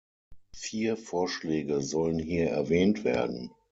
Vier Vorschläge sollen hier erwähnt werden.